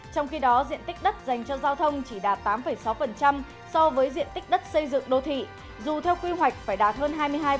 trong khi đó diện tích đất dành cho giao thông chỉ đạt tám sáu so với diện tích đất xây dựng đô thị dù theo quy hoạch phải đạt hơn hai mươi hai